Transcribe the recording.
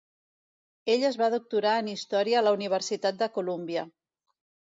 Ell es va doctorar en història a la Universitat de Columbia.